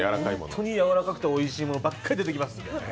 本当にやわらかくておいしいものばっかり出てきます。